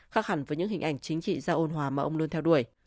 khác hẳn với những hình ảnh chính trị gia ôn hòa mà ông luôn theo đuổi